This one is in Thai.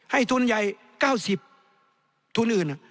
ทุนใหญ่๙๐ทุนอื่น